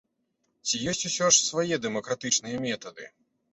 Ці ёсць усё ж свае дэмакратычныя метады?